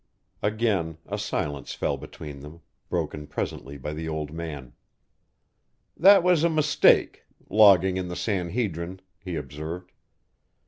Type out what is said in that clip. Again a silence fell between them, broken presently by the old man. "That was a mistake logging in the San Hedrin," he observed.